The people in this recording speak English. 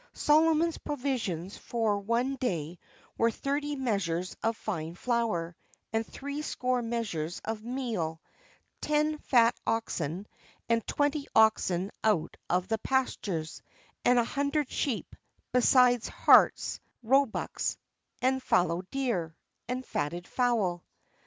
"Solomon's provisions for one day were thirty measures of fine flour, and three score measures of meal, ten fat oxen, and twenty oxen out of the pastures, and an hundred sheep, besides harts, and roebucks, and fallow deer, and fatted fowl."